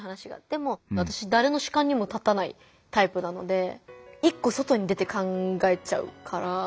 でも私誰の主観にも立たないタイプなので一個外に出て考えちゃうから。